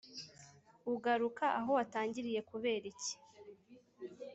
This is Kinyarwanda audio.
ugaruka aho watangiriye kuberiki